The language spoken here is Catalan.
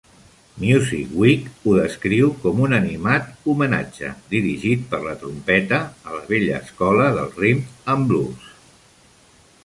"Music Week" ho descriu com un animat homenatge, dirigit per la trompeta, a la vella escola del rithm-and-blues.